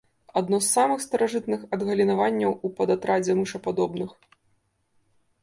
Адно з самых старажытных адгалінаванняў ў падатрадзе мышападобных.